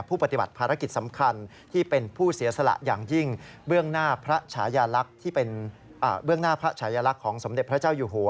ผู้ปฏิบัติภารกิจสำคัญ